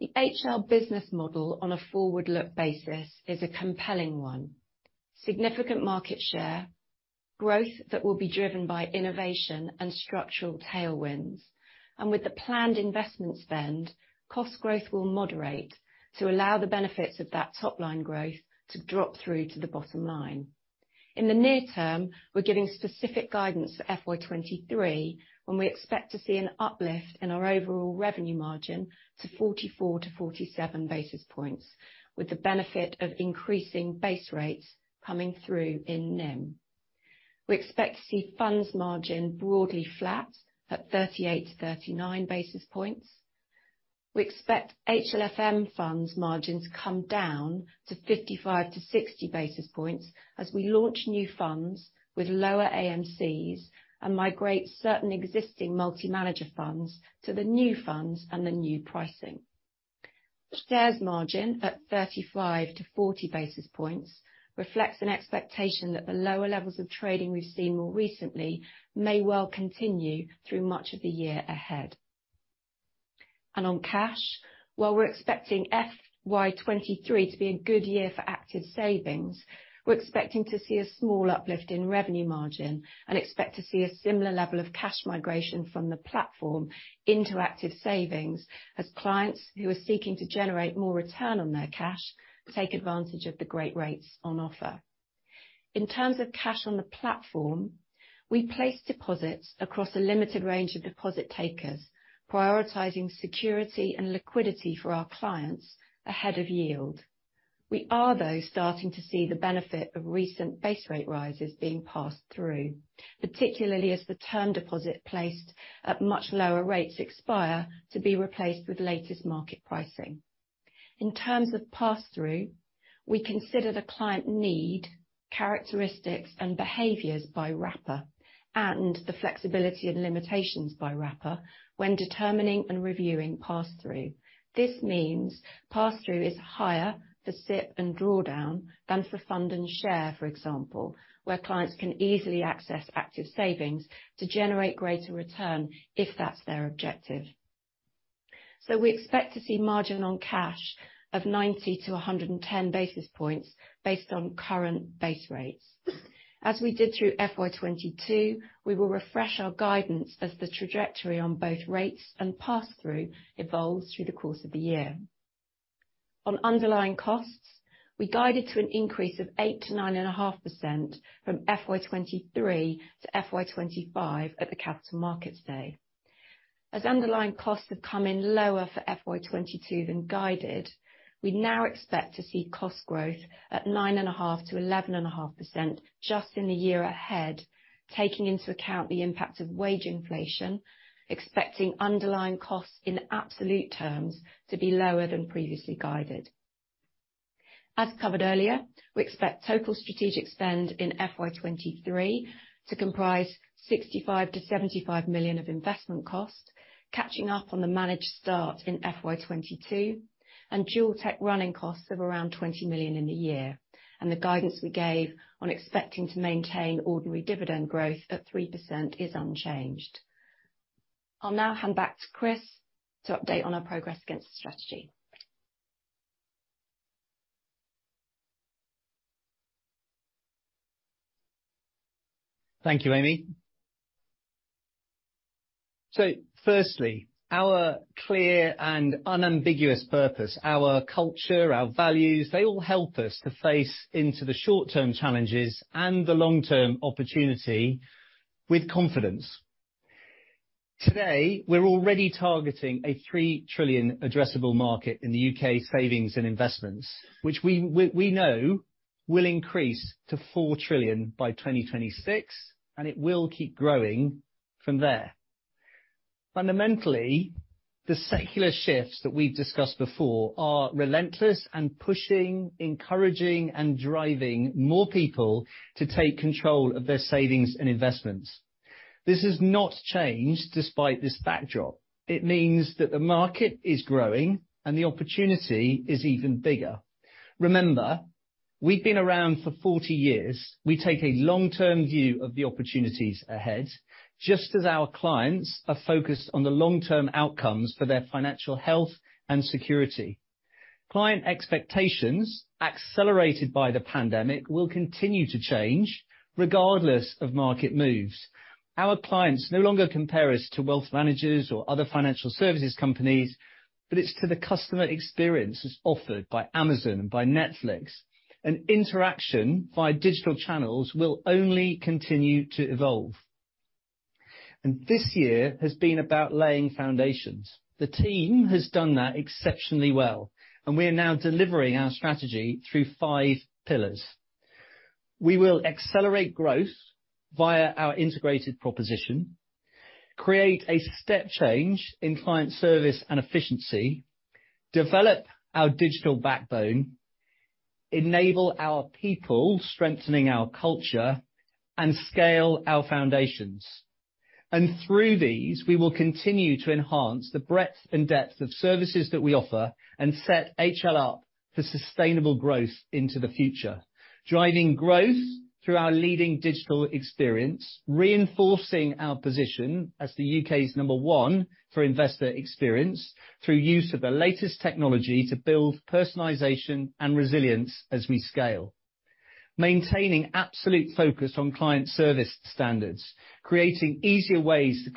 The HL business model on a forward-look basis is a compelling one. Significant market share, growth that will be driven by innovation and structural tailwinds. With the planned investment spend, cost growth will moderate to allow the benefits of that top line growth to drop through to the bottom line. In the near term, we're giving specific guidance for FY23, when we expect to see an uplift in our overall revenue margin to 44-47 basis points, with the benefit of increasing base rates coming through in NIM. We expect to see funds margin broadly flat at 38-39 basis points. We expect HLFM funds margins come down to 55-60 basis points as we launch new funds with lower AMCs and migrate certain existing multi-manager funds to the new funds and the new pricing. Shares margin at 35-40 basis points reflects an expectation that the lower levels of trading we've seen more recently may well continue through much of the year ahead. On cash, while we're expecting FY23 to be a good year for Active Savings, we're expecting to see a small uplift in revenue margin and expect to see a similar level of cash migration from the platform into Active Savings as clients who are seeking to generate more return on their cash take advantage of the great rates on offer. In terms of cash on the platform, we place deposits across a limited range of deposit takers, prioritizing security and liquidity for our clients ahead of yield. We are, though, starting to see the benefit of recent base rate rises being passed through, particularly as the term deposits placed at much lower rates expire to be replaced with latest market pricing. In terms of pass-through, we consider the client need, characteristics, and behaviors by wrapper and the flexibility and limitations by wrapper when determining and reviewing pass-through. This means pass-through is higher for SIPP and drawdown than for fund and share, for example, where clients can easily access Active Savings to generate greater return, if that's their objective. We expect to see margin on cash of 90-110 basis points based on current base rates. As we did through FY 2022, we will refresh our guidance as the trajectory on both rates and pass-through evolves through the course of the year. On underlying costs, we guided to an increase of 8%-9.5% from FY23 to FY25 at the Capital Markets Day. As underlying costs have come in lower for FY22 than guided, we now expect to see cost growth at 9.5%-11.5% just in the year ahead, taking into account the impact of wage inflation, expecting underlying costs in absolute terms to be lower than previously guided. As covered earlier, we expect total strategic spend in FY23 to comprise 65 million-75 million of investment cost, catching up on the managed start in FY22, and dual tech running costs of around 20 million in a year. The guidance we gave on expecting to maintain ordinary dividend growth at 3% is unchanged. I'll now hand back to Chris to update on our progress against the strategy. Thank you, Amy. Firstly, our clear and unambiguous purpose, our culture, our values, they all help us to face into the short-term challenges and the long-term opportunity with confidence. Today, we're already targeting a 3 trillion addressable market in the U.K. savings and investments, which we know will increase to 4 trillion by 2026, and it will keep growing from there. Fundamentally, the secular shifts that we've discussed before are relentless and pushing, encouraging, and driving more people to take control of their savings and investments. This has not changed despite this backdrop. It means that the market is growing and the opportunity is even bigger. Remember, we've been around for 40 years. We take a long-term view of the opportunities ahead, just as our clients are focused on the long-term outcomes for their financial health and security. Client expectations, accelerated by the pandemic, will continue to change regardless of market moves. Our clients no longer compare us to wealth managers or other financial services companies, but to the customer experiences offered by Amazon and by Netflix. Interaction via digital channels will only continue to evolve. This year has been about laying foundations. The team has done that exceptionally well, and we are now delivering our strategy through five pillars. We will accelerate growth via our integrated proposition, create a step change in client service and efficiency, develop our digital backbone, enable our people, strengthening our culture. Scale our foundations. Through these, we will continue to enhance the breadth and depth of services that we offer and set HL up for sustainable growth into the future. Driving growth through our leading digital experience, reinforcing our position as the U.K.'s number one for investor experience through use of the latest technology to build personalization and resilience as we scale. Maintaining absolute focus on client service standards, creating easier ways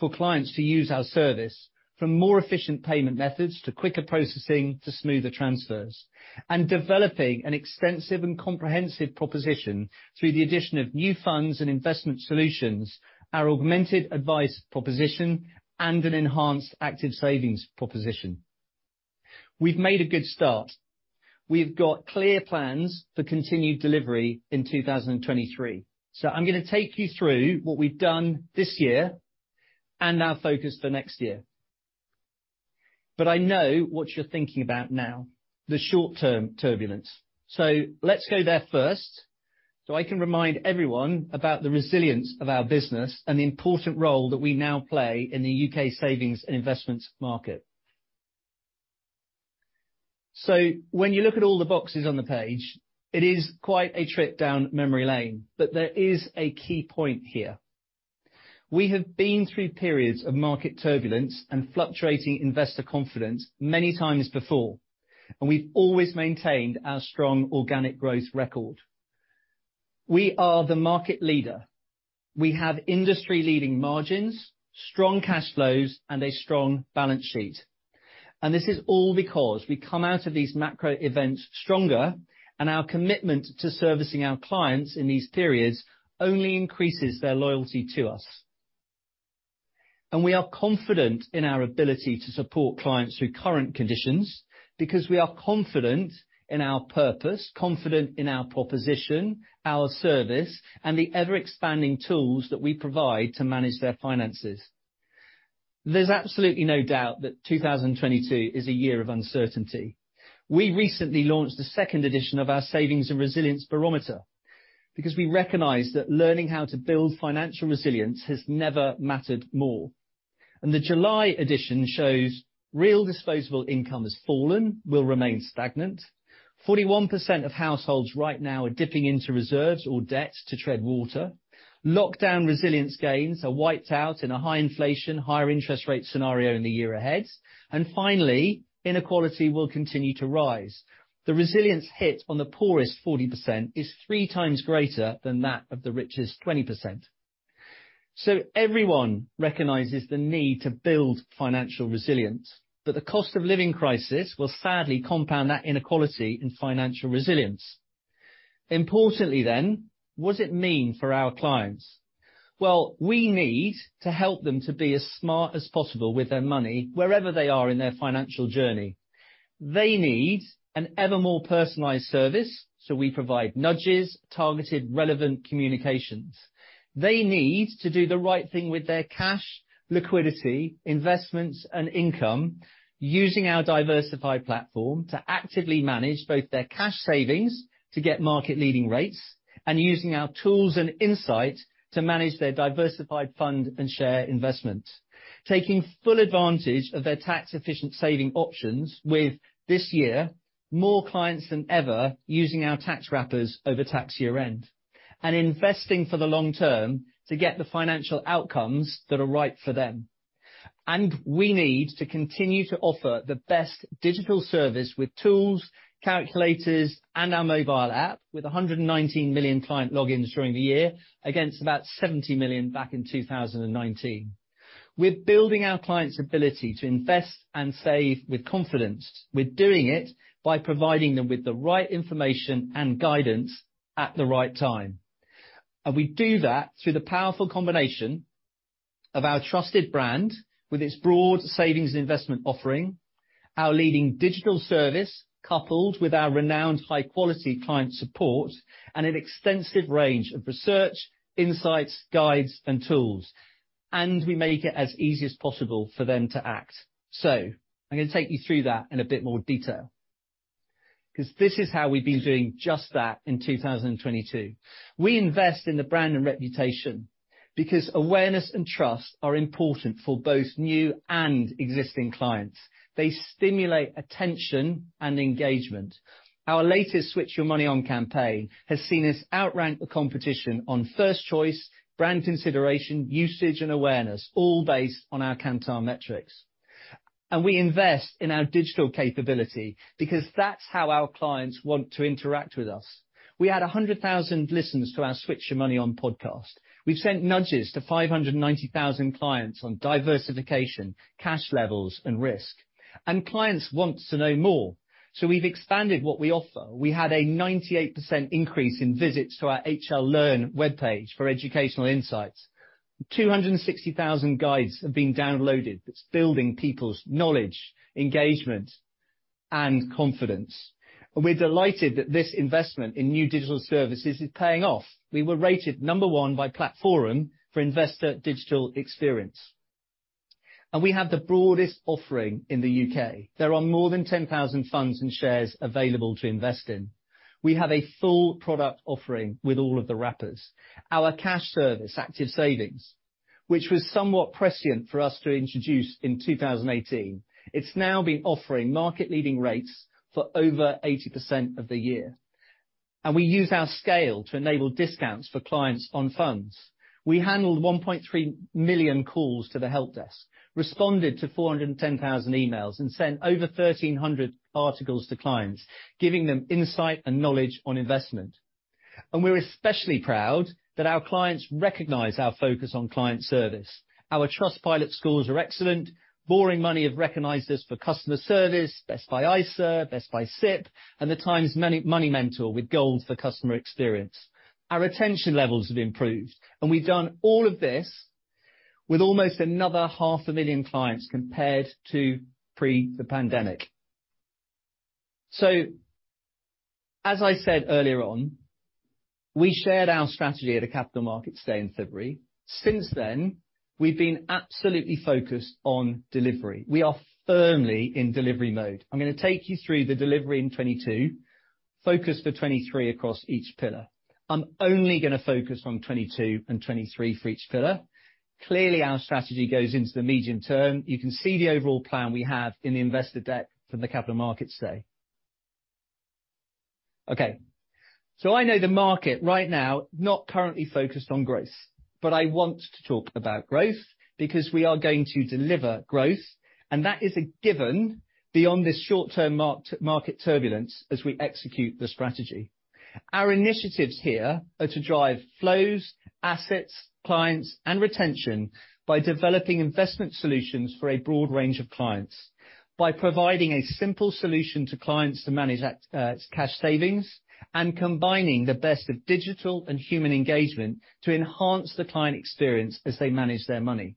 for clients to use our service, from more efficient payment methods to quicker processing to smoother transfers. Developing an extensive and comprehensive proposition through the addition of new funds and investment solutions, our Augmented Advice proposition, and an enhanced Active Savings proposition. We've made a good start. We've got clear plans for continued delivery in 2023. I'm gonna take you through what we've done this year and our focus for next year. I know what you're thinking about now, the short-term turbulence. Let's go there first, so I can remind everyone about the resilience of our business and the important role that we now play in the U.K. savings and investments market. When you look at all the boxes on the page, it is quite a trip down memory lane, but there is a key point here. We have been through periods of market turbulence and fluctuating investor confidence many times before, and we've always maintained our strong organic growth record. We are the market leader. We have industry-leading margins, strong cash flows, and a strong balance sheet. This is all because we come out of these macro events stronger, and our commitment to servicing our clients in these periods only increases their loyalty to us. We are confident in our ability to support clients through current conditions because we are confident in our purpose, confident in our proposition, our service, and the ever-expanding tools that we provide to manage their finances. There's absolutely no doubt that 2022 is a year of uncertainty. We recently launched the second edition of our Savings and Resilience Barometer because we recognize that learning how to build financial resilience has never mattered more. The July edition shows real disposable income has fallen, will remain stagnant. 41% of households right now are dipping into reserves or debts to tread water. Lockdown resilience gains are wiped out in a high inflation, higher interest rate scenario in the year ahead. Finally, inequality will continue to rise. The resilience hit on the poorest 40% is 3x greater than that of the richest 20%. Everyone recognizes the need to build financial resilience. The cost of living crisis will sadly compound that inequality in financial resilience. Importantly then, what does it mean for our clients? Well, we need to help them to be as smart as possible with their money wherever they are in their financial journey. They need an ever more personalized service, so we provide nudges, targeted relevant communications. They need to do the right thing with their cash, liquidity, investments, and income using our diversified platform to actively manage both their cash savings to get market leading rates and using our tools and insight to manage their diversified fund and share investments. Taking full advantage of their tax-efficient saving options with this year more clients than ever using our tax wrappers over tax year-end and investing for the long term to get the financial outcomes that are right for them. We need to continue to offer the best digital service with tools, calculators, and our mobile app with 119 million client logins during the year against about 70 million back in 2019. We're building our clients' ability to invest and save with confidence. We're doing it by providing them with the right information and guidance at the right time. We do that through the powerful combination of our trusted brand with its broad savings and investment offering, our leading digital service, coupled with our renowned high-quality client support, and an extensive range of research, insights, guides, and tools. We make it as easy as possible for them to act. I'm gonna take you through that in a bit more detail because this is how we've been doing just that in 2022. We invest in the brand and reputation because awareness and trust are important for both new and existing clients. They stimulate attention and engagement. Our latest Switch Your Money On campaign has seen us outrank the competition on first choice, brand consideration, usage, and awareness, all based on our Kantar metrics. We invest in our digital capability because that's how our clients want to interact with us. We had 100,000 listens to our Switch Your Money On podcast. We've sent nudges to 590,000 clients on diversification, cash levels, and risk. Clients want to know more, so we've expanded what we offer. We had a 98% increase in visits to our HL Learn webpage for educational insights. 260,000 guides have been downloaded. It's building people's knowledge, engagement, and confidence. We're delighted that this investment in new digital services is paying off. We were rated number one by Platforum for Investor Digital Experience. We have the broadest offering in the U.K. There are more than 10,000 funds and shares available to invest in. We have a full product offering with all of the wrappers. Our cash service, Active Savings, which was somewhat prescient for us to introduce in 2018, it's now been offering market-leading rates for over 80% of the year. We use our scale to enable discounts for clients on funds. We handled 1.3 million calls to the help desk, responded to 410,000 emails, and sent over 1,300 articles to clients, giving them insight and knowledge on investment. We're especially proud that our clients recognize our focus on client service. Our Trustpilot scores are excellent. Boring Money have recognized us for customer service, Best Buy ISA, Best Buy SIPP, and The Times Money Mentor with Gold for customer experience. Our retention levels have improved, and we've done all of this with almost another 500,000 clients compared to pre the pandemic. As I said earlier on, we shared our strategy at a Capital Markets Day in February. Since then, we've been absolutely focused on delivery. We are firmly in delivery mode. I'm gonna take you through the delivery in 2022, focus for 2023 across each pillar. I'm only gonna focus on 2022 and 2023 for each pillar. Clearly, our strategy goes into the medium term. You can see the overall plan we have in the investor deck from the Capital Markets Day. I know the market right now, not currently focused on growth, but I want to talk about growth because we are going to deliver growth, and that is a given beyond this short-term market turbulence as we execute the strategy. Our initiatives here are to drive flows, assets, clients, and retention by developing investment solutions for a broad range of clients, by providing a simple solution to clients to manage cash savings, and combining the best of digital and human engagement to enhance the client experience as they manage their money.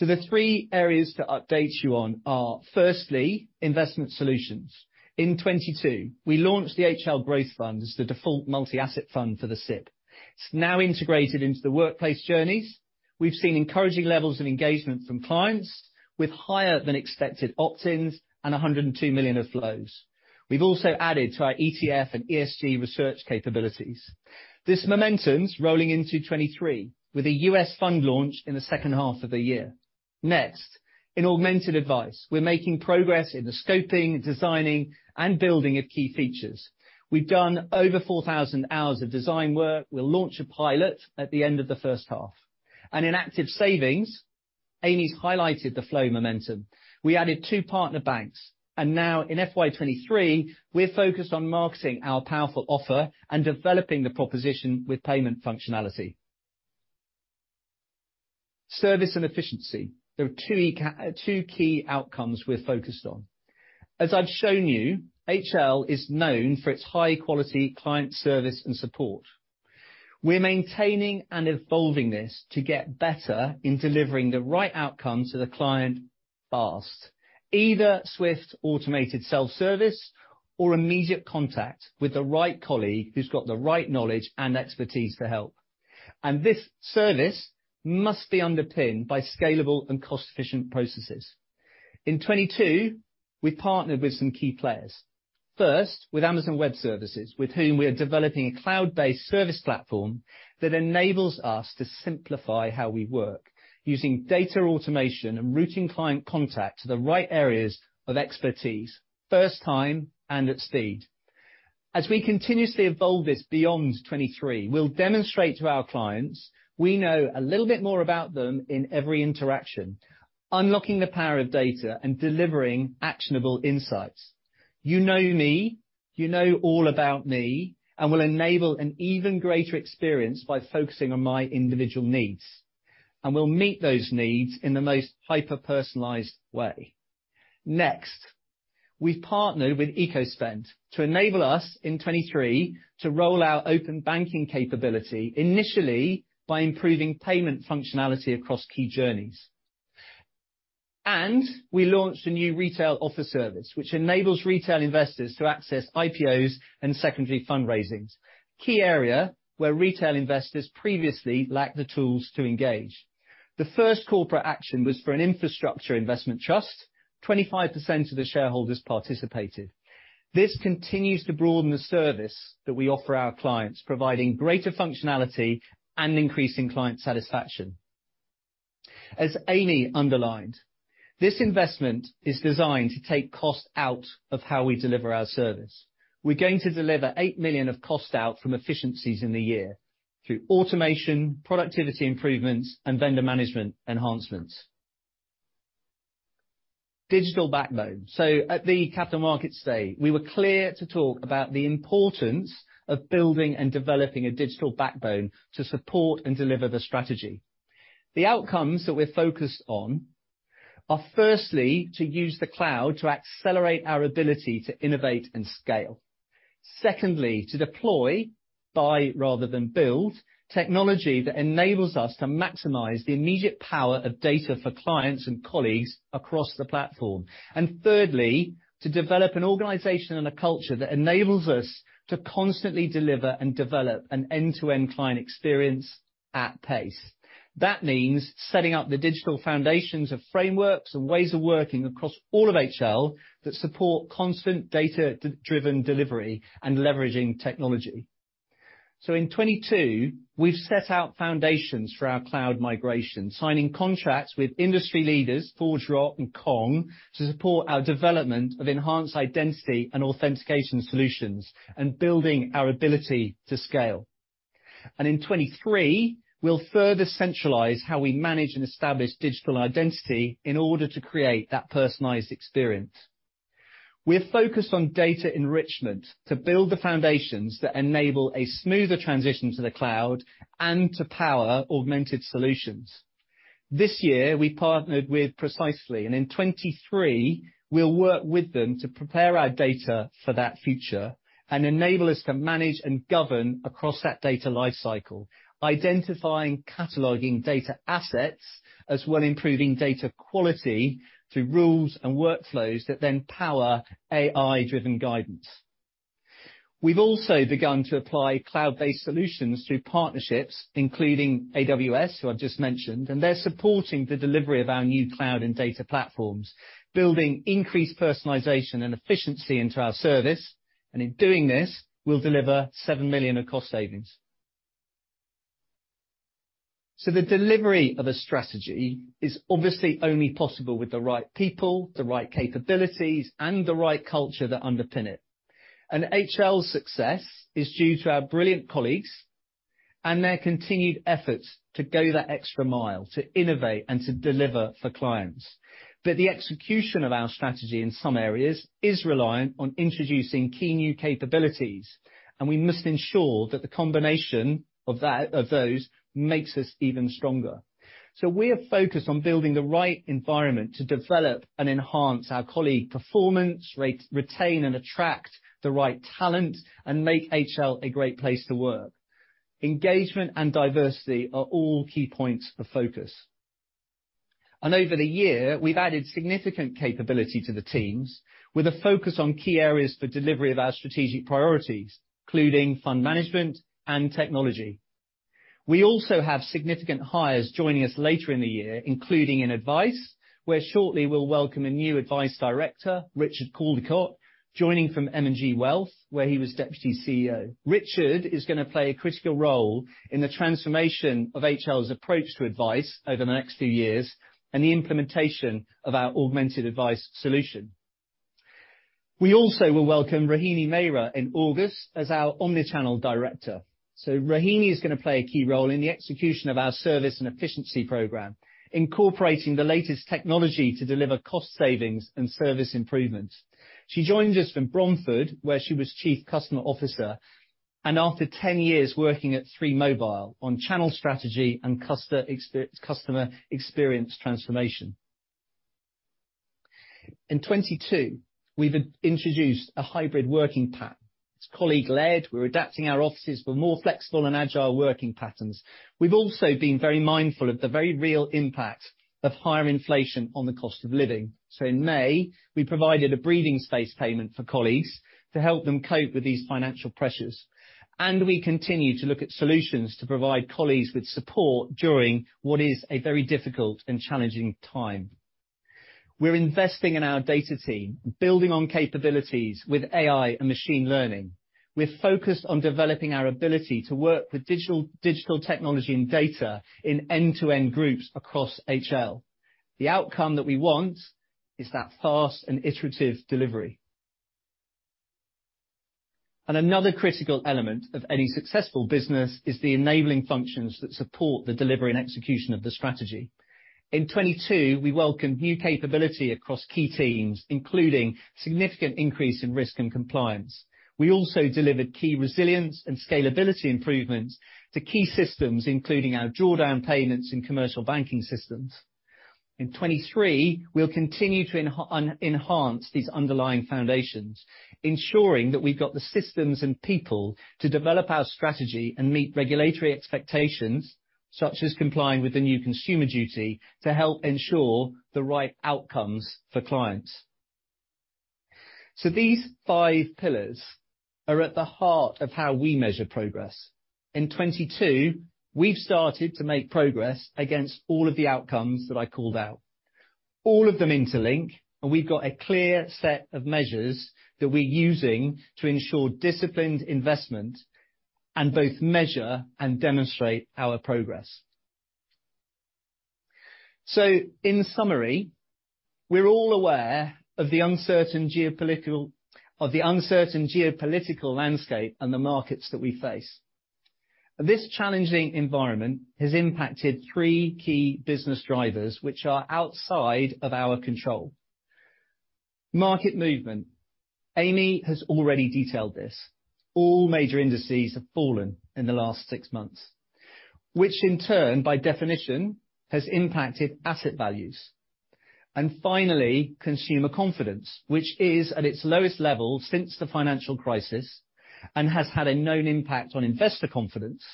The three areas to update you on are, firstly, investment solutions. In 2022, we launched the HL Growth Fund as the default multi-asset fund for the SIPP. It's now integrated into the workplace journeys. We've seen encouraging levels of engagement from clients with higher than expected opt-ins and 102 million of flows. We've also added to our ETF and ESG research capabilities. This momentum's rolling into 2023 with a U.S. fund launch in the H2 of the year. Next, in Augmented Advice, we're making progress in the scoping, designing, and building of key features. We've done over 4,000 hours of design work. We'll launch a pilot at the end of the H1. In Active Savings, Amy's highlighted the flow momentum. We added two partner banks, and now in FY 2023, we're focused on marketing our powerful offer and developing the proposition with payment functionality. Service and efficiency. There are two key outcomes we're focused on. As I've shown you, HL is known for its high-quality client service and support. We're maintaining and evolving this to get better in delivering the right outcome to the client fast. Either swift, automated self-service or immediate contact with the right colleague who's got the right knowledge and expertise to help. This service must be underpinned by scalable and cost-efficient processes. In 2022, we partnered with some key players. First, with Amazon Web Services, with whom we are developing a cloud-based service platform that enables us to simplify how we work using data automation and routing client contact to the right areas of expertise, first time and at speed. As we continuously evolve this beyond 2023, we'll demonstrate to our clients we know a little bit more about them in every interaction, unlocking the power of data and delivering actionable insights. You know me, you know all about me and will enable an even greater experience by focusing on my individual needs, and we'll meet those needs in the most hyper-personalized way. Next, we've partnered with Ecospend to enable us in 2023 to roll out Open Banking capability, initially by improving payment functionality across key journeys. We launched a new retail offer service, which enables retail investors to access IPOs and secondary fundraisings. Key area where retail investors previously lacked the tools to engage. The first call for action was for an infrastructure investment trust. 25% of the shareholders participated. This continues to broaden the service that we offer our clients, providing greater functionality and increasing client satisfaction. As Amy underlined, this investment is designed to take cost out of how we deliver our service. We're going to deliver 8 million of cost out from efficiencies in the year through automation, productivity improvements, and vendor management enhancements. Digital backbone. At the Capital Markets Day, we were clear to talk about the importance of building and developing a digital backbone to support and deliver the strategy. The outcomes that we're focused on are, firstly, to use the cloud to accelerate our ability to innovate and scale. Secondly, to deploy, buy rather than build technology that enables us to maximize the immediate power of data for clients and colleagues across the platform. And thirdly, to develop an organization and a culture that enables us to constantly deliver and develop an end-to-end client experience at pace. That means setting up the digital foundations of frameworks and ways of working across all of HL that support constant data-driven delivery and leveraging technology. In 2022, we've set out foundations for our cloud migration, signing contracts with industry leaders, ForgeRock and Kong, to support our development of enhanced identity and authentication solutions and building our ability to scale. In 2023, we'll further centralize how we manage and establish digital identity in order to create that personalized experience. We're focused on data enrichment to build the foundations that enable a smoother transition to the cloud and to power augmented solutions. This year, we partnered with Precisely, and in 2023, we'll work with them to prepare our data for that future and enable us to manage and govern across that data lifecycle, identifying, cataloging data assets, as well improving data quality through rules and workflows that then power AI-driven guidance. We've also begun to apply cloud-based solutions through partnerships, including AWS, who I just mentioned, and they're supporting the delivery of our new cloud and data platforms, building increased personalization and efficiency into our service. In doing this, we'll deliver 7 million of cost savings. The delivery of a strategy is obviously only possible with the right people, the right capabilities, and the right culture that underpin it. HL's success is due to our brilliant colleagues and their continued efforts to go that extra mile, to innovate and to deliver for clients. The execution of our strategy in some areas is reliant on introducing key new capabilities, and we must ensure that the combination of those makes us even stronger. We are focused on building the right environment to develop and enhance our colleague performance, retain and attract the right talent, and make HL a great place to work. Engagement and diversity are all key points for focus. Over the year, we've added significant capability to the teams with a focus on key areas for delivery of our strategic priorities, including fund management and technology. We also have significant hires joining us later in the year, including in advice, where shortly we'll welcome a new Advice Director, Richard Caldicott, joining from M&G Wealth, where he was Deputy CEO. Richard is gonna play a critical role in the transformation of HL's approach to advice over the next few years and the implementation of our Augmented Advice solution. We also will welcome Rohini Mehra in August as our Omni-Channel Director. Rohini is gonna play a key role in the execution of our service and efficiency program, incorporating the latest technology to deliver cost savings and service improvements. She joins us from Bromford, where she was Chief Customer Officer, and after 10 years working at Three on channel strategy and customer experience transformation. In 2022, we've introduced a hybrid working pattern. It's colleague-led. We're adapting our offices for more flexible and agile working patterns. We've also been very mindful of the very real impact of higher inflation on the cost of living. In May, we provided a breathing space payment for colleagues to help them cope with these financial pressures. We continue to look at solutions to provide colleagues with support during what is a very difficult and challenging time. We're investing in our data team, building on capabilities with AI and machine learning. We're focused on developing our ability to work with digital technology and data in end-to-end groups across HL. The outcome that we want is that fast and iterative delivery. Another critical element of any successful business is the enabling functions that support the delivery and execution of the strategy. In 2022, we welcome new capability across key teams, including significant increase in risk and compliance. We also delivered key resilience and scalability improvements to key systems, including our drawdown payments and commercial banking systems. In 2023, we'll continue to enhance these underlying foundations, ensuring that we've got the systems and people to develop our strategy and meet regulatory expectations, such as complying with the new Consumer Duty to help ensure the right outcomes for clients. These five pillars are at the heart of how we measure progress. In 2022, we've started to make progress against all of the outcomes that I called out. All of them interlink, and we've got a clear set of measures that we're using to ensure disciplined investment and both measure and demonstrate our progress. In summary, we're all aware of the uncertain geopolitical landscape and the markets that we face. This challenging environment has impacted three key business drivers which are outside of our control. Market movement. Amy has already detailed this. All major indices have fallen in the last six months, which in turn, by definition, has impacted asset values. Finally, consumer confidence, which is at its lowest level since the financial crisis and has had a known impact on investor confidence.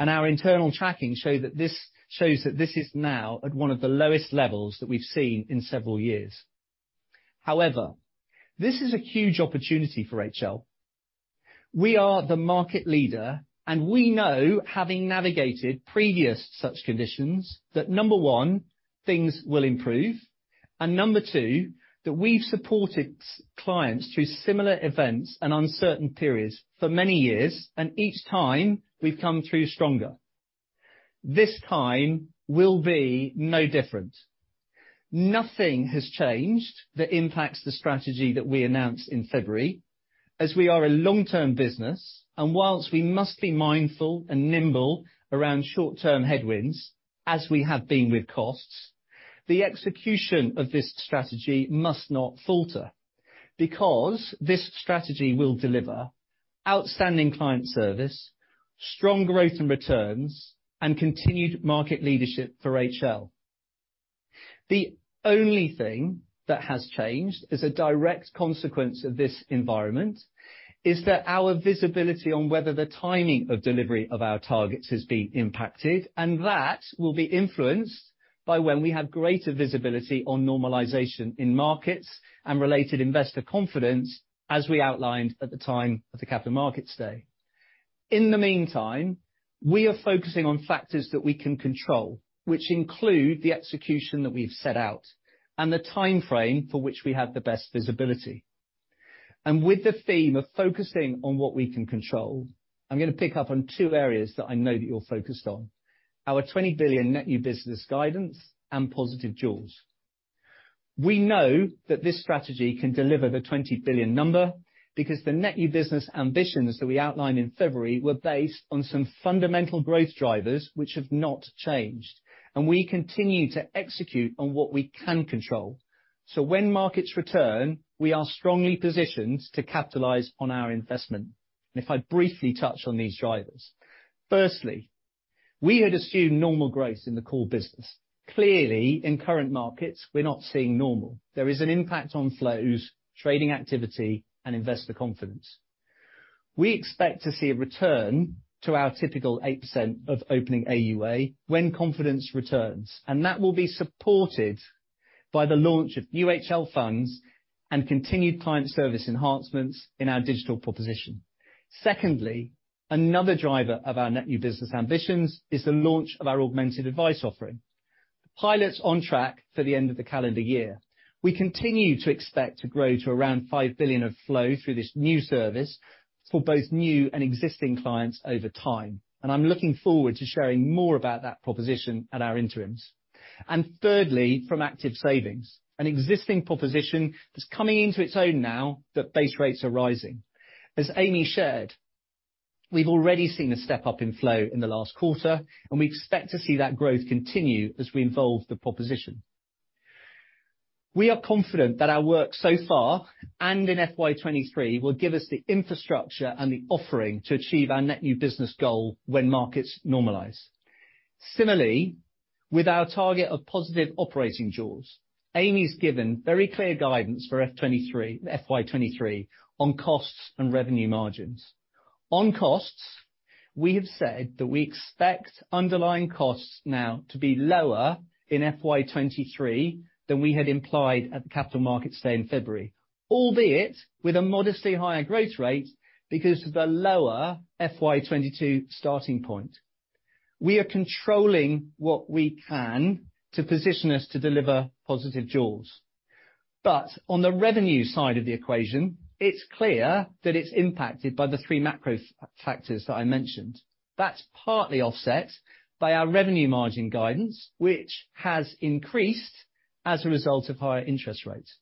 Our internal tracking shows that this is now at one of the lowest levels that we've seen in several years. However, this is a huge opportunity for HL. We are the market leader, and we know, having navigated previous such conditions, that, one, things will improve, and two, that we've supported our clients through similar events and uncertain periods for many years, and each time we've come through stronger. This time will be no different. Nothing has changed that impacts the strategy that we announced in February, as we are a long-term business. Whilst we must be mindful and nimble around short-term headwinds, as we have been with costs, the execution of this strategy must not falter, because this strategy will deliver outstanding client service, strong growth and returns, and continued market leadership for HL. The only thing that has changed as a direct consequence of this environment is that our visibility on whether the timing of delivery of our targets has been impacted, and that will be influenced by when we have greater visibility on normalization in markets and related investor confidence as we outlined at the time of the Capital Markets Day. In the meantime, we are focusing on factors that we can control, which include the execution that we've set out and the timeframe for which we have the best visibility. With the theme of focusing on what we can control, I'm gonna pick up on two areas that I know that you're focused on, our 20 billion net new business guidance and positive jaws. We know that this strategy can deliver the 20 billion number because the net new business ambitions that we outlined in February were based on some fundamental growth drivers, which have not changed, and we continue to execute on what we can control. When markets return, we are strongly positioned to capitalize on our investment. If I briefly touch on these drivers. Firstly, we had assumed normal growth in the core business. Clearly, in current markets, we're not seeing normal. There is an impact on flows, trading activity and investor confidence. We expect to see a return to our typical 8% of opening AUA when confidence returns, and that will be supported by the launch of HL funds and continued client service enhancements in our digital proposition. Secondly, another driver of our net new business ambitions is the launch of our Augmented Advice offering. The pilot's on track for the end of the calendar year. We continue to expect to grow to around 5 billion of flow through this new service for both new and existing clients over time, and I'm looking forward to sharing more about that proposition at our interims. Thirdly, from Active Savings, an existing proposition that's coming into its own now that base rates are rising. As Amy shared, we've already seen a step-up in flow in the last quarter, and we expect to see that growth continue as we evolve the proposition. We are confident that our work so far, and in FY 2023, will give us the infrastructure and the offering to achieve our net new business goal when markets normalize. Similarly, with our target of positive operating jaws, Amy's given very clear guidance for FY 2023 on costs and revenue margins. On costs, we have said that we expect underlying costs now to be lower in FY23 than we had implied at the Capital Markets Day in February, albeit with a modestly higher growth rate because of the lower FY22 starting point. We are controlling what we can to position us to deliver positive jaws. But on the revenue side of the equation, it's clear that it's impacted by the three macro factors that I mentioned. That's partly offset by our revenue margin guidance, which has increased as a result of higher interest rates.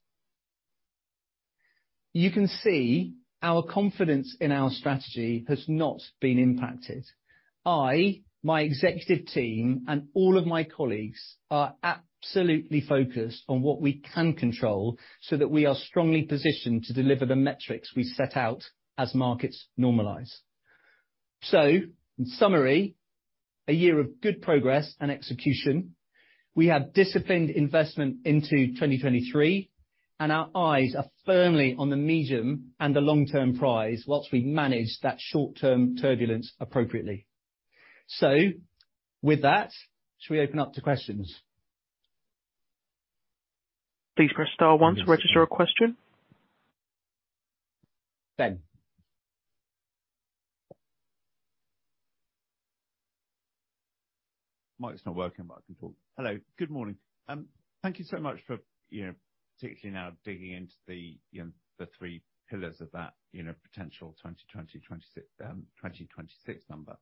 You can see our confidence in our strategy has not been impacted. I, my executive team, and all of my colleagues are absolutely focused on what we can control so that we are strongly positioned to deliver the metrics we set out as markets normalize. In summary, a year of good progress and execution. We have disciplined investment into 2023, and our eyes are firmly on the medium and the long-term prize whilst we manage that short-term turbulence appropriately. With that, should we open up to questions? Please press star one to register a question. Ben. Mic's not working, but I can talk. Hello. Good morning. Thank you so much for, you know, particularly now digging into the, you know, the three pillars of that, you know, potential 2026 number.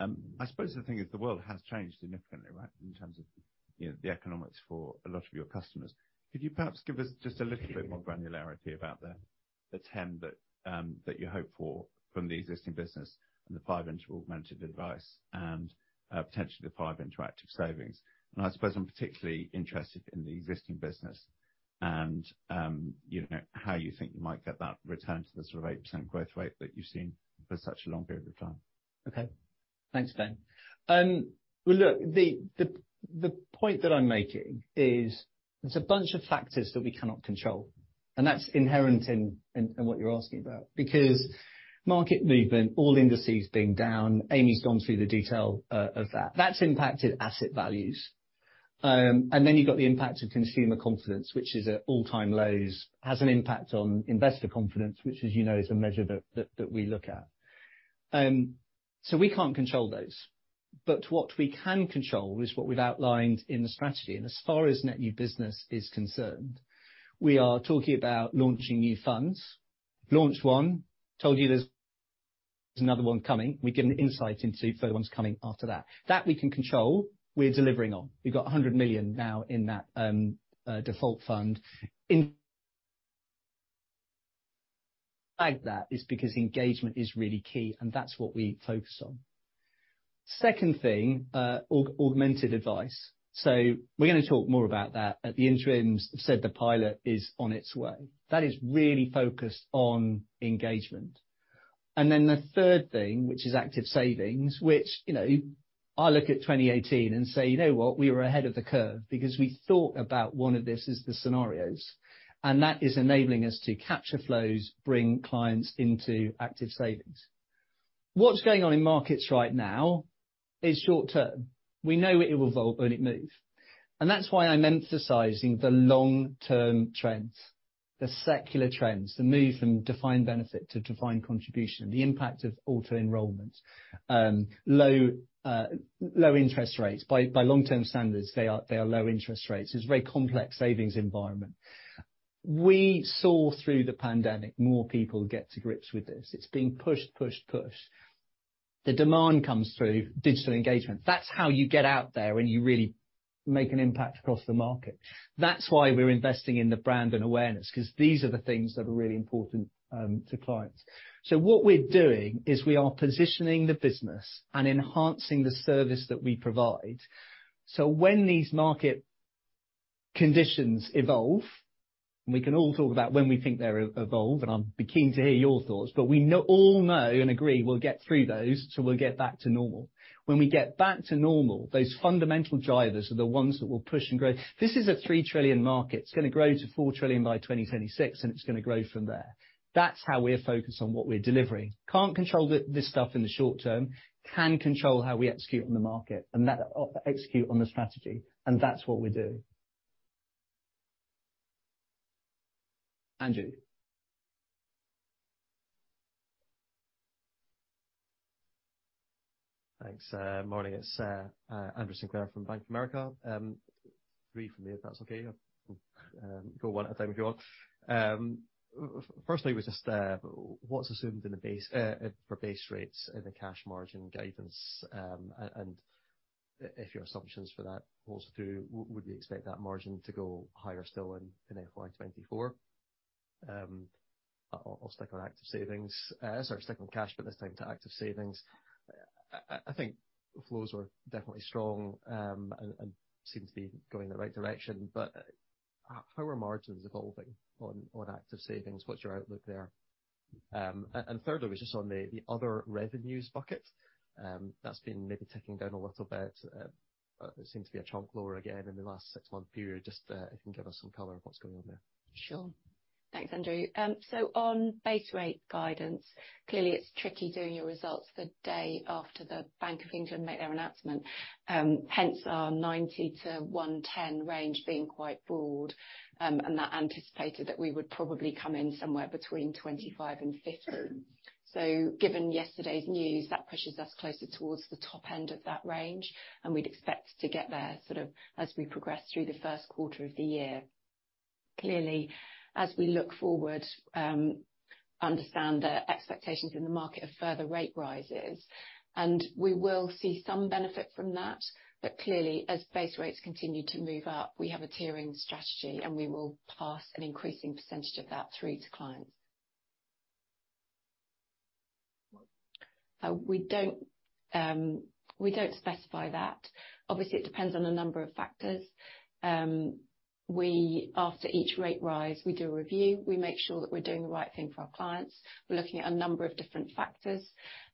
I suppose the thing is the world has changed significantly, right, in terms of, you know, the economics for a lot of your customers. Could you perhaps give us just a little bit more granularity about the 10 that you hope for from the existing business and the five into Augmented Advice and potentially the five into Active Savings? I suppose I'm particularly interested in the existing business. You know, how you think you might get that return to the sort of 8% growth rate that you've seen for such a long period of time? Okay. Thanks, Ben. Well, look, the point that I'm making is there's a bunch of factors that we cannot control, and that's inherent in what you're asking about. Because market movement, all indices being down, Amy's gone through the detail of that. That's impacted asset values. Then you've got the impact of consumer confidence, which is at all-time lows, has an impact on investor confidence, which, as you know, is a measure that we look at. We can't control those. What we can control is what we've outlined in the strategy. As far as net new business is concerned, we are talking about launching new funds. Launched one, told you there's another one coming. We gave an insight into further ones coming after that. That we can control, we're delivering on. We've got 100 million now in that default fund. Like that is because engagement is really key, and that's what we focus on. Second thing, augmented advice. We're gonna talk more about that at the interims. The pilot is on its way. That is really focused on engagement. Then the third thing, which is Active Savings, which, you know, I look at 2018 and say, "You know what? We were ahead of the curve," because we thought about one of this as the scenarios, and that is enabling us to capture flows, bring clients into Active Savings. What's going on in markets right now is short term. We know it will evolve and it moves. That's why I'm emphasizing the long-term trends, the secular trends, the move from defined benefit to defined contribution, the impact of auto-enrollment, low interest rates. By long-term standards, they are low interest rates. It's a very complex savings environment. We saw through the pandemic more people get to grips with this. It's being pushed. The demand comes through digital engagement. That's how you get out there and you really make an impact across the market. That's why we're investing in the brand and awareness, 'cause these are the things that are really important to clients. What we're doing is we are positioning the business and enhancing the service that we provide. When these market conditions evolve, and we can all talk about when we think they'll evolve, and I'll be keen to hear your thoughts, but we all know and agree we'll get through those, so we'll get back to normal. When we get back to normal, those fundamental drivers are the ones that will push and grow. This is a 3 trillion market. It's gonna grow to 4 trillion by 2026, and it's gonna grow from there. That's how we're focused on what we're delivering. Can't control this stuff in the short term. Can control how we execute on the market, and that execution on the strategy, and that's what we're doing. Andrew. Thanks. Morning. It's Andrew Sinclair from Bank of America. Three from me, if that's okay. We'll go one at a time if you want. Firstly was just what's assumed in the base for base rates in the cash margin guidance, and if your assumptions for that pulls through, would we expect that margin to go higher still in FY24? I'll stick on Active Savings. Sorry, stick on cash, but this time to Active Savings. I think flows were definitely strong and seem to be going in the right direction, but how are margins evolving on Active Savings? What's your outlook there? Thirdly was just on the other revenues bucket. That's been maybe ticking down a little bit. It seemed to be a chunk lower again in the last six-month period. Just, if you can give us some color of what's going on there. Sure. Thanks, Andrew. On base rate guidance, clearly it's tricky doing your results the day after the Bank of England make their announcement, hence our 90-110 range being quite broad, and that anticipated that we would probably come in somewhere between 25 and 50. Given yesterday's news, that pushes us closer towards the top end of that range, and we'd expect to get there sort of as we progress through the Q1 of the year. Clearly, as we look forward, understand the expectations in the market of further rate rises, and we will see some benefit from that. Clearly, as base rates continue to move up, we have a tiering strategy, and we will pass an increasing percentage of that through to clients. We don't specify that. Obviously, it depends on a number of factors. After each rate rise, we do a review. We make sure that we're doing the right thing for our clients. We're looking at a number of different factors,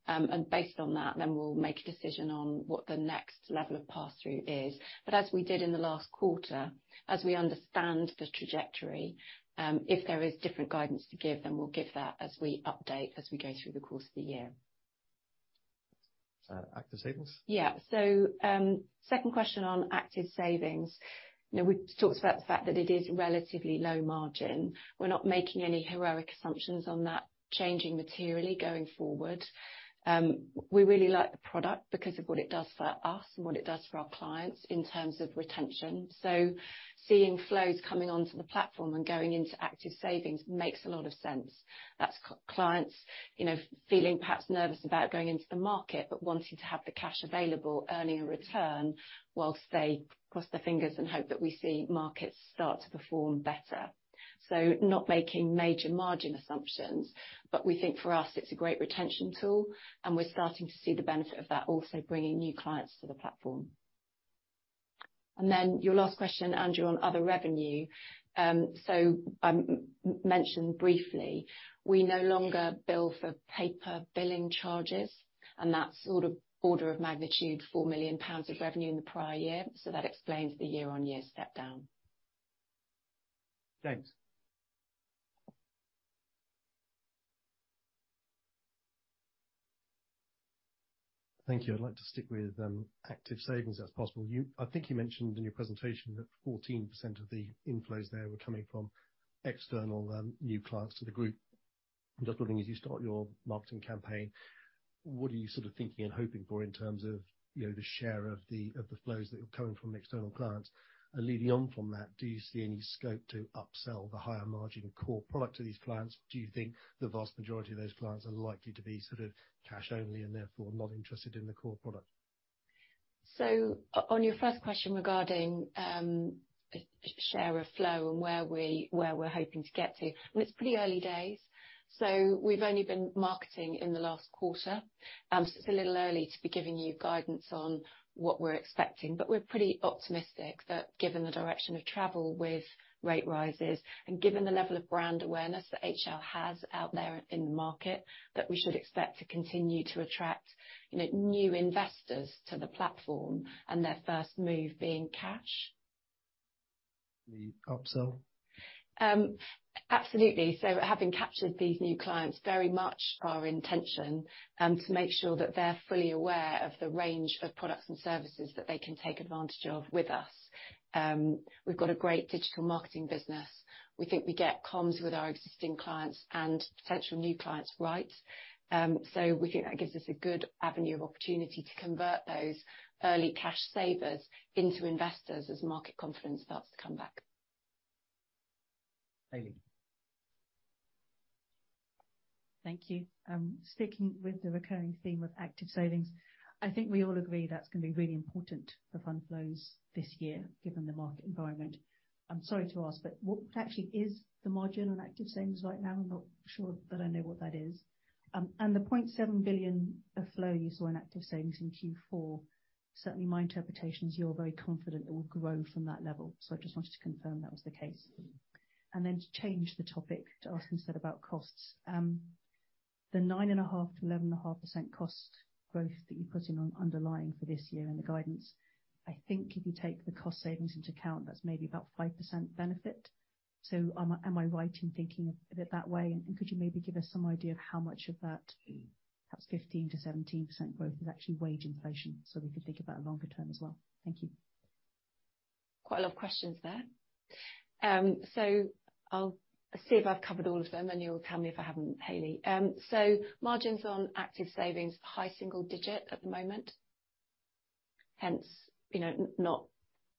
and based on that, then we'll make a decision on what the next level of pass-through is. As we did in the last quarter, as we understand the trajectory, if there is different guidance to give, then we'll give that as we update, as we go through the course of the year. Active Savings? Yeah. Second question on Active Savings. You know, we've talked about the fact that it is relatively low margin. We're not making any heroic assumptions on that changing materially going forward. We really like the product because of what it does for us and what it does for our clients in terms of retention. Seeing flows coming onto the platform and going into Active Savings makes a lot of sense. That's clients, you know, feeling perhaps nervous about going into the market, but wanting to have the cash available, earning a return while they cross their fingers and hope that we see markets start to perform better. Not making major margin assumptions, but we think for us it's a great retention tool, and we're starting to see the benefit of that also bringing new clients to the platform. Then your last question, Andrew, on other revenue. Mentioned briefly, we no longer bill for paper billing charges, and that's sort of order of magnitude 4 million pounds of revenue in the prior year. That explains the year-on-year step down. Thanks. Thank you. I'd like to stick with Active Savings if possible. You, I think you mentioned in your presentation that 14% of the inflows there were coming from external new clients to the group. Just wondering, as you start your marketing campaign, what are you sort of thinking and hoping for in terms of, you know, the share of the flows that are coming from external clients? Leading on from that, do you see any scope to upsell the higher margin core product to these clients? Do you think the vast majority of those clients are likely to be sort of cash only and therefore not interested in the core product? On your first question regarding share of flow and where we're hoping to get to, well, it's pretty early days, so we've only been marketing in the last quarter. It's a little early to be giving you guidance on what we're expecting, but we're pretty optimistic that given the direction of travel with rate rises and given the level of brand awareness that HL has out there in the market, that we should expect to continue to attract, you know, new investors to the platform and their first move being cash. The upsell. Absolutely. Having captured these new clients, very much our intention to make sure that they're fully aware of the range of products and services that they can take advantage of with us. We've got a great digital marketing business. We think we get comms with our existing clients and potential new clients right. We think that gives us a good avenue of opportunity to convert those early cash savers into investors as market confidence starts to come back. Hayley. Thank you. Sticking with the recurring theme of Active Savings, I think we all agree that's gonna be really important for fund flows this year, given the market environment. I'm sorry to ask, but what actually is the margin on Active Savings right now? I'm not sure that I know what that is. The 0.7 billion of flow you saw in Active Savings in Q4, certainly my interpretation is you're very confident it will grow from that level. I just wanted to confirm that was the case. To change the topic to ask instead about costs. The 9.5%-11.5% cost growth that you're putting on underlying for this year and the guidance, I think if you take the cost savings into account, that's maybe about 5% benefit. Am I right in thinking of it that way? Could you maybe give us some idea of how much of that, perhaps 15%-17% growth is actually wage inflation, so we could think about it longer term as well? Thank you. Quite a lot of questions there. I'll see if I've covered all of them, and you'll tell me if I haven't, Hayley. Margins on Active Savings are high single-digit at the moment. Hence, you know, not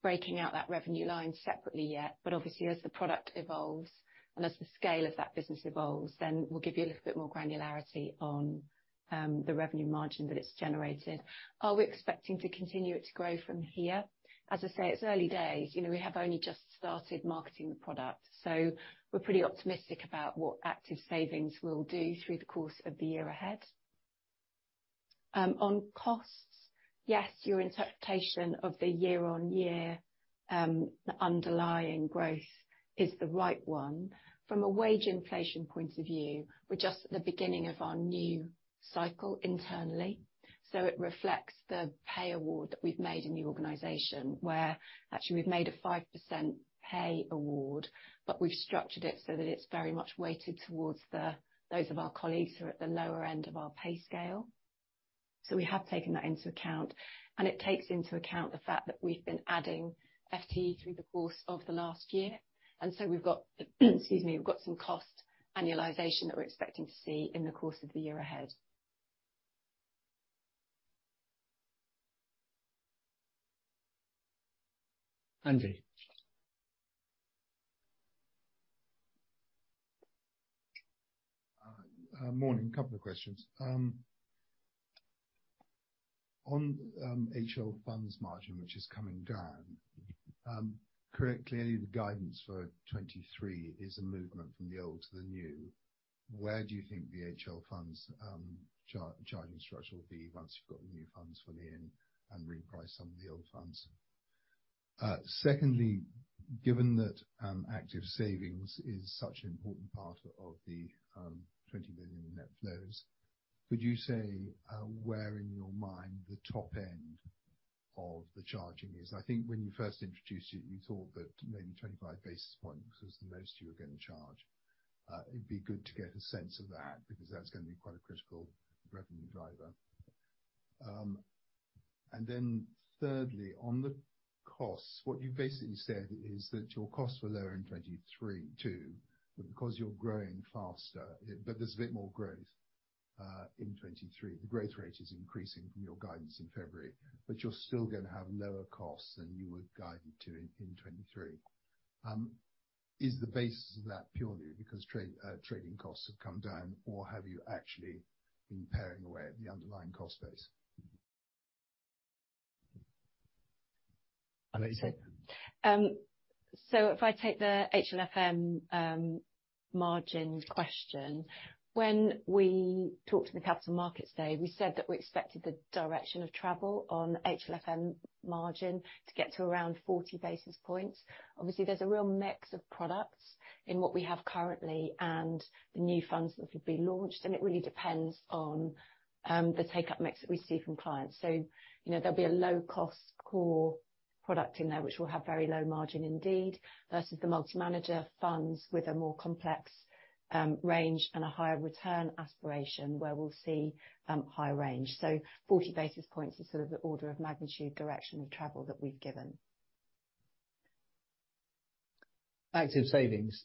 breaking out that revenue line separately yet. Obviously, as the product evolves and as the scale of that business evolves, then we'll give you a little bit more granularity on the revenue margin that it's generated. Are we expecting to continue it to grow from here? As I say, it's early days. You know, we have only just started marketing the product, so we're pretty optimistic about what Active Savings will do through the course of the year ahead. On costs, yes, your interpretation of the year-on-year underlying growth is the right one. From a wage inflation point of view, we're just at the beginning of our new cycle internally. It reflects the pay award that we've made in the organization, where actually we've made a 5% pay award, but we've structured it so that it's very much weighted towards those of our colleagues who are at the lower end of our pay scale. We have taken that into account, and it takes into account the fact that we've been adding FTE through the course of the last year. We've got some cost annualization that we're expecting to see in the course of the year ahead. Andy. Morning. Couple of questions. On HL funds margin, which is coming down, correct, clearly the guidance for 2023 is a movement from the old to the new. Where do you think the HL funds charging structure will be once you've got the new funds fully in and reprice some of the old funds? Secondly, given that Active Savings is such an important part of the 20 billion in net flows, could you say where in your mind the top end of the charging is? I think when you first introduced it, you thought that maybe 25 basis points was the most you were gonna charge. It'd be good to get a sense of that, because that's gonna be quite a critical revenue driver. Thirdly, on the costs, what you've basically said is that your costs were lower in 2023 too, but because you're growing faster, but there's a bit more growth in 2023. The growth rate is increasing from your guidance in February, but you're still gonna have lower costs than you would guided to in 2023. Is the basis of that purely because trading costs have come down, or have you actually been paring away at the underlying cost base? If I take the HLFM margin question, when we talked to the Capital Markets Day, we said that we expected the direction of travel on HLFM margin to get to around 40 basis points. Obviously, there's a real mix of products in what we have currently and the new funds that will be launched, and it really depends on the take-up mix that we see from clients. You know, there'll be a low-cost core product in there which will have very low margin indeed, versus the multi-manager funds with a more complex range and a higher return aspiration where we'll see high range. 40 basis points is sort of the order of magnitude direction of travel that we've given. Active Savings.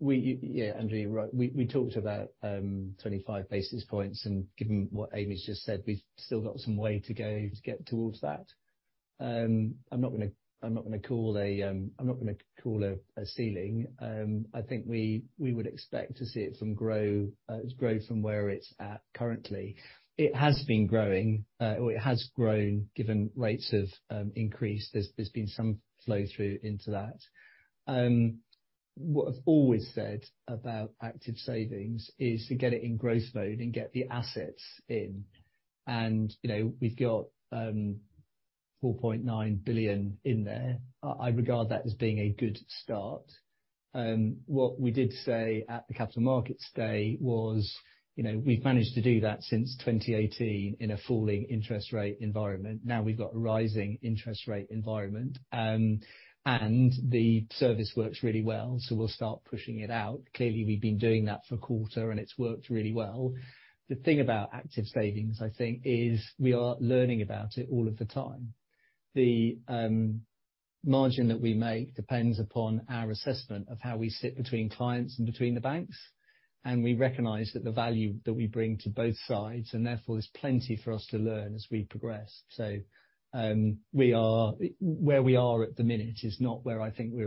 Yeah, Andrew, you're right. We talked about 25 basis points, and given what Amy's just said, we've still got some way to go to get towards that. I'm not gonna call a ceiling. I think we would expect to see it grow. It's grown from where it's at currently. It has been growing or it has grown, given rates of increase. There's been some flow through into that. What I've always said about Active Savings is to get it in growth mode and get the assets in. You know, we've got 4.9 billion in there. I regard that as being a good start. What we did say at the Capital Markets Day was, you know, we've managed to do that since 2018 in a falling interest rate environment. Now we've got a rising interest rate environment, and the service works really well, so we'll start pushing it out. Clearly, we've been doing that for a quarter, and it's worked really well. The thing about Active Savings, I think, is we are learning about it all of the time. The margin that we make depends upon our assessment of how we sit between clients and between the banks, and we recognize that the value that we bring to both sides, and therefore there's plenty for us to learn as we progress. Where we are at the minute is not where I think we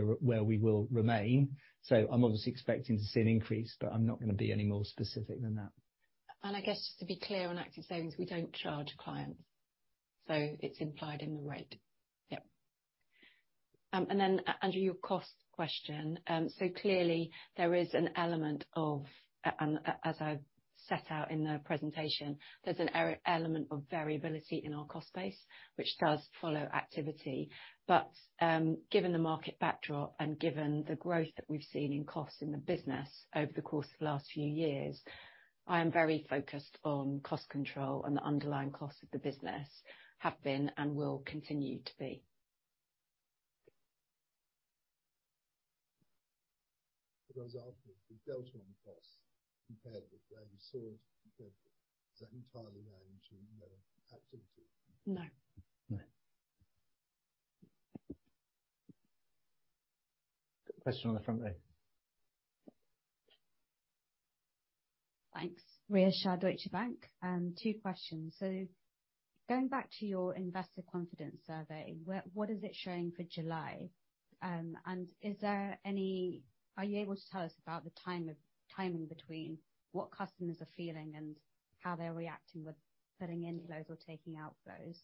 will remain. I'm obviously expecting to see an increase, but I'm not gonna be any more specific than that. I guess to be clear, on Active Savings, we don't charge clients, so it's implied in the rate. Yep. Andrew, your cost question. Clearly there is an element of, as I set out in the presentation, there's an element of variability in our cost base, which does follow activity. Given the market backdrop and given the growth that we've seen in costs in the business over the course of the last few years, I am very focused on cost control and the underlying cost of the business have been and will continue to be. The result of the delta on costs compared with where you saw it, is that entirely down to the activity? No. No. Got a question on the front there. Thanks. Ria Shah, Deutsche Bank. Two questions. Going back to your investor confidence survey, what is it showing for July? And is there any? Are you able to tell us about the timing between what customers are feeling and how they're reacting with putting in flows or taking out flows?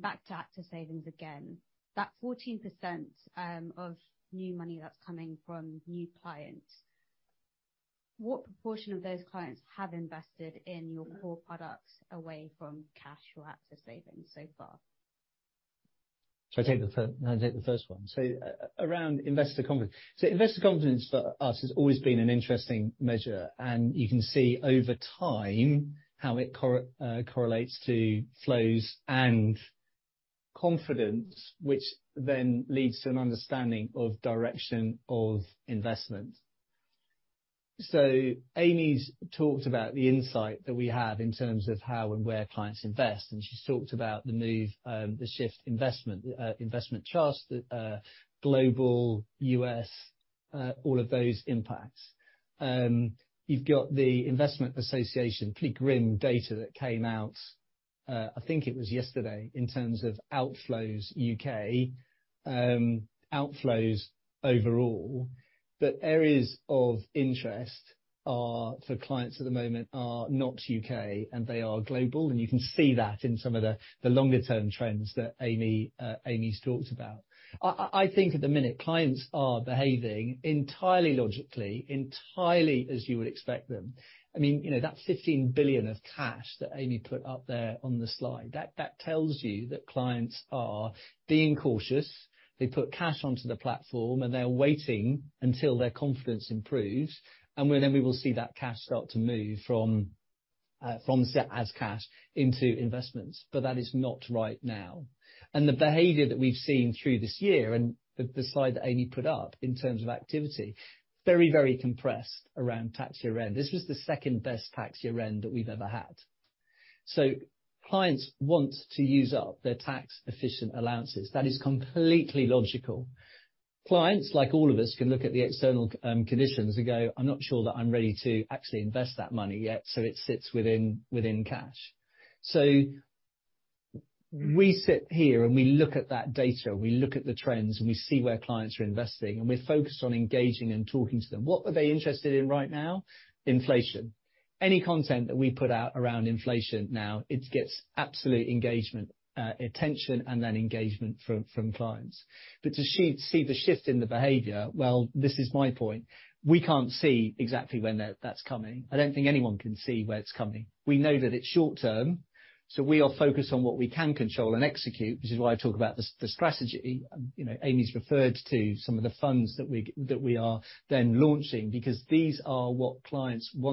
Back to Active Savings again. That 14% of new money that's coming from new clients, what proportion of those clients have invested in your core products away from cash or Active Savings so far? I'll take the first one. Around investor confidence. Investor confidence for us has always been an interesting measure, and you can see over time how it correlates to flows and confidence, which then leads to an understanding of direction of investment. Amy's talked about the insight that we have in terms of how and where clients invest, and she's talked about the move, the shift investment trust, global, U.S., all of those impacts. You've got The Investment Association, Calastone data that came out, I think it was yesterday, in terms of outflows U.K., outflows overall. Areas of interest for clients at the moment are not U.K., and they are global, and you can see that in some of the longer-term trends that Amy's talked about. I think at the minute, clients are behaving entirely logically, entirely as you would expect them. I mean, you know, that 15 billion of cash that Amy put up there on the slide, that tells you that clients are being cautious. They put cash onto the platform, and they're waiting until their confidence improves, then we will see that cash start to move from sitting as cash into investments, but that is not right now. The behavior that we've seen through this year and the slide that Amy put up in terms of activity, very, very compressed around tax year-end. This was the second-best tax year-end that we've ever had. Clients want to use up their tax-efficient allowances. That is completely logical. Clients, like all of us, can look at the external conditions and go, "I'm not sure that I'm ready to actually invest that money yet," so it sits within cash. We sit here, and we look at that data, we look at the trends, and we see where clients are investing, and we're focused on engaging and talking to them. What are they interested in right now? Inflation. Any content that we put out around inflation now, it gets absolute engagement, attention and then engagement from clients. But to see the shift in the behavior, well, this is my point. We can't see exactly when that's coming. I don't think anyone can see where it's coming. We know that it's short term, so we are focused on what we can control and execute. This is why I talk about the strategy. You know, Amy's referred to some of the funds that we are then launching because these are what clients want.